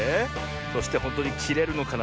そしてほんとにきれるのかな。